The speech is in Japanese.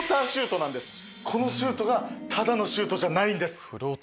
このシュートがただのシュートじゃないんです。